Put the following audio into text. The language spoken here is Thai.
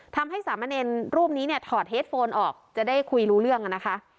ทำให้สามเณรรูปนี้เนี่ยถอดเฮดโฟนออกจะได้คุยรู้เรื่องนะคะ